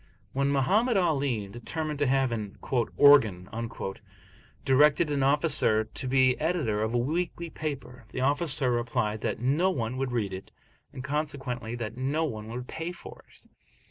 When Mohammed Ali, determining to have an "organ," directed an officer to be editor of a weekly paper, the officer replied, that no one would read it, and consequently that no one would pay for it.